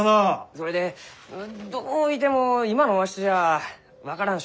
それでどういても今のわしじゃ分からん植物がある。